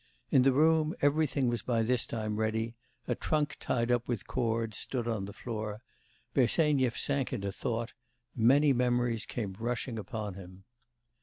In the room everything was by this time ready; a trunk, tied up with cord, stood on the floor. Bersenyev sank into thought: many memories came rushing upon him.